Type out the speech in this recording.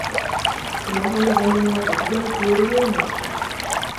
スマホの画面が突然消えるようになった